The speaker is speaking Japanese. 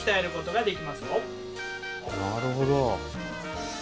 なるほど。